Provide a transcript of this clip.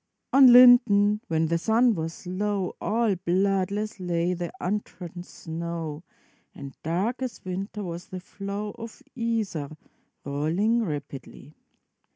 ] On Linden when the sun was low, All bloodless lay the untrodden snow, And dark as winter was the flow Of Iser, rolling rapidly.